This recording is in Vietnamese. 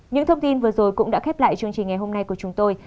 những thông tin vừa rồi cũng đã khép lại chương trình ngày hôm nay của chúng tôi